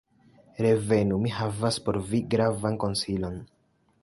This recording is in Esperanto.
"Revenu! mi havas por vi gravan konsilon.